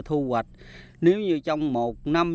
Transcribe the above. thu hoạch nếu như trong một năm